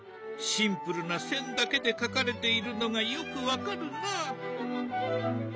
シンプルな線だけで描かれているのがよく分かるな。